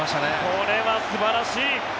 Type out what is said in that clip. これは素晴らしい。